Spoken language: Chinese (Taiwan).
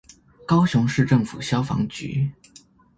高雄市政府消防局